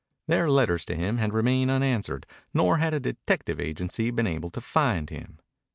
Their letters to him had remained unanswered nor had a detective agency been able to find him.